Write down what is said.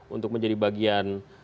untuk menjadi bagian